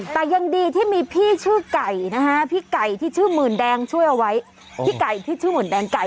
แต่ยังดีที่มีพี่ชื่อไก่นะฮะพี่ไก่ที่ชื่อหมื่นแดงช่วยเอาไว้พี่ไก่ที่ชื่อหมื่นแดงไก่